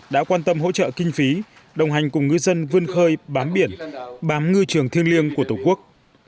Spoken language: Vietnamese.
đã quan tâm hỗ trợ kinh phí đồng hành cùng ngư dân vươn khơi bám biển bám ngư trường thiêng liêng của tổ quốc